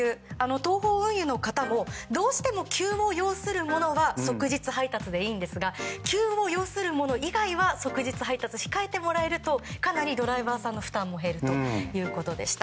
東邦運輸の方もどうしても急を要するものは即日配達でいいんですが急を要するもの以外は即日配達を控えてもらうとかなりドライバーさんの負担も減るということでした。